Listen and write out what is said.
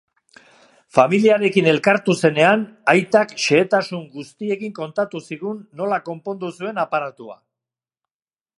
Familiarekin elkartu zenean, aitak xehetasun guztiekin kontatu zigun nola konpondu zuen aparatua.